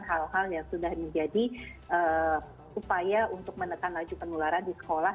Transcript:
hal hal yang sudah menjadi upaya untuk menekan laju penularan di sekolah